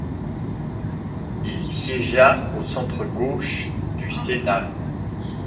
Il siégea au centre gauche du Sénat.